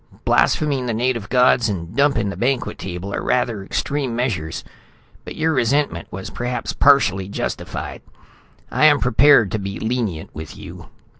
Blaspheming the native gods and dumping the banquet table are rather extreme measures, but your resentment was perhaps partially justified. I am prepared to be lenient with you."